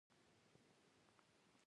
موږ هیڅکله ماضي نشو بدلولی دا حقیقت دی.